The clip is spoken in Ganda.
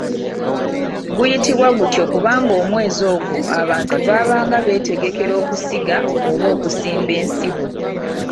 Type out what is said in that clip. Guyitibwa gutyo kubanga omwezi ogwo abantu baabanga beetegekera okusiga oba okusimba ensigo.